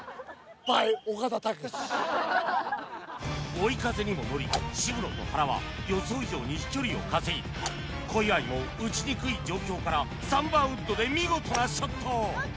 追い風にも乗り渋野と原は予想以上に飛距離を稼ぎ小祝も打ちにくい状況から３番ウッドで見事なショット